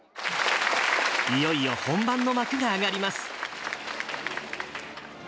いよいよ本番の幕が上がります。